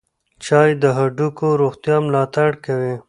چای د هډوکو روغتیا ملاتړ کوي.